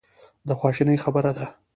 د خواشینۍ خبره ده.